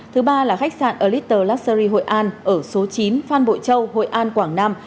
thứ ba là khách sạn elitter luxury hội an ở số chín phan bội châu hội an quảng nam